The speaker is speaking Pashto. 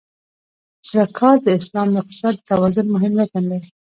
زکات د اسلام د اقتصاد د توازن مهم رکن دی.